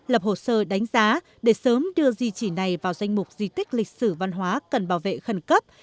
lập hồ sơ đánh giá để sớm đưa di chỉ này vào danh mục di tích lịch sử văn hóa cần bảo vệ khẩn cấp